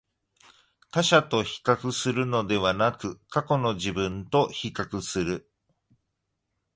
他者と比較するのではなく、過去の自分と比較する